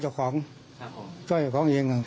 จ้อยกับของจ้อยกับของเอง